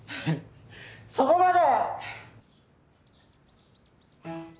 そこまで！